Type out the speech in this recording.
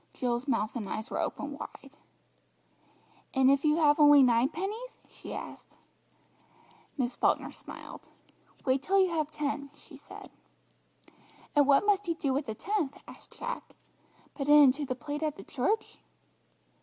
Jill's mouth and eyes were open wide. "And if you have only nine pennies?" she asked. Miss Falkner smiled. "Wait till you have ten," she said. "And what must you do with the tenth?" asked Jack; "put it into the plate at the church?"